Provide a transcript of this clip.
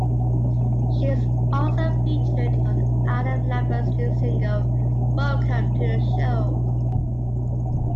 She is also featured on Adam Lambert's new single "Welcome to the Show".